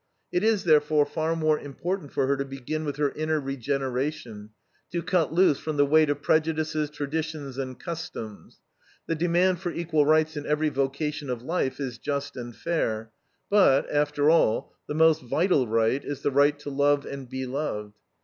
It is, therefore, far more important for her to begin with her inner regeneration, to cut loose from the weight of prejudices, traditions, and customs. The demand for equal rights in every vocation of life is just and fair; but, after all, the most vital right is the right to love and be loved.